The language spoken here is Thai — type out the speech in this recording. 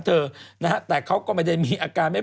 มองไปในทางแง่แง่บวกนะน่ารักดี